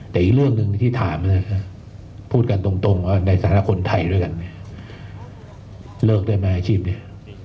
แต่อีกเรื่องหนึ่งที่ถามพูดกันตรงว่าในฐานะคนไทยด้วยกันเนี่ยเลิกได้ไหมอาชีพนี้